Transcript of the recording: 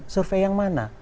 survei yang mana